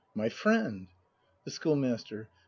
My friend ! The Schoolmaster.